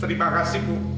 terima kasih bu mohon maaf